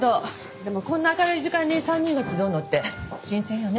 でもこんな明るい時間に３人が集うのって新鮮よね。